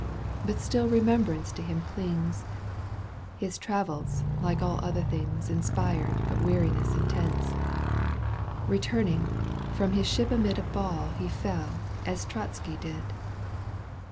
229 But still remembrance to him clings, Bus travels like all other things Inspired but weariness intense ;^ Eetuming, from his ship amid A ЬаД he feU as Tchatzki did.